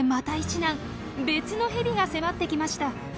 別のヘビが迫ってきました。